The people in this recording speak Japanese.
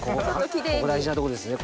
大事なとこですね